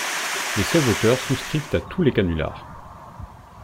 Les sauveteurs souscrivent à tous les canulars.